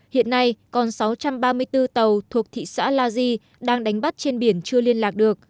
hiện nay còn sáu trăm ba mươi bốn tàu thuộc thị xã la di đang đánh bắt trên biển chưa liên lạc được